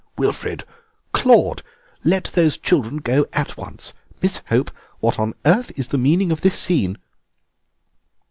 "Wilfrid! Claude! Let those children go at once. Miss Hope, what on earth is the meaning of this scene?"